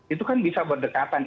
itu kan bisa berdekatan